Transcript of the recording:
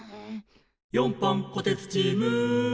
「４班こてつチーム」